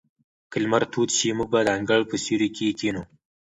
که لمر تود شي، موږ به د انګړ په سیوري کې کښېنو.